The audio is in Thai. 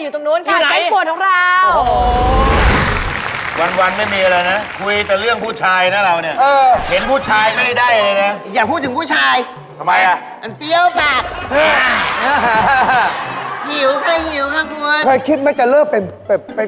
อยู่ตรงนู้นค่ะใกล้ปวดของเราโอ้โฮ